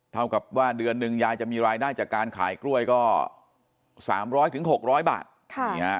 เท่ากับว่าเดือนหนึ่งยายจะมีรายได้จากการขายกล้วยก็สามร้อยถึงหกร้อยบาท